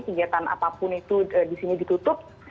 kegiatan apapun itu di sini ditutup